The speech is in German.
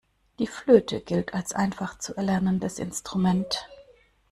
Die Flöte gilt als einfach zu erlernendes Instrument.